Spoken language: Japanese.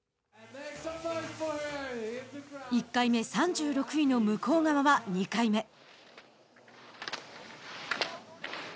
１回目３６位の向川は２回目。